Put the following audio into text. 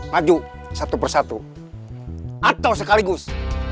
maju satu persatu atau sekaligus